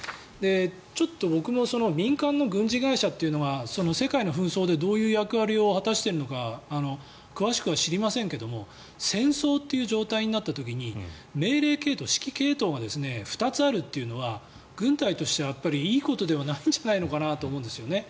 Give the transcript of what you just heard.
ちょっと僕も民間の軍事会社というのが世界の紛争でどういう役割を果たしているのか詳しくは知りませんが戦争という状態になった時に命令系統、指揮系統が２つあるというのは軍隊としてやっぱりいいことではないんじゃないかと思うんですよね。